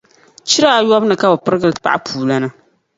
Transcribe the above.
Chira ayɔbu ni ka bi pirigiri paɣapuulana